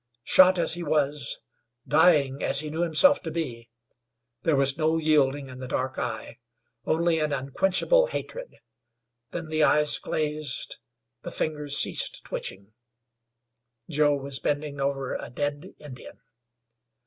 Shot as he was, dying as he knew himself to be, there was no yielding in the dark eye only an unquenchable hatred. Then the eyes glazed; the fingers ceased twitching. Joe was bending over a dead Indian.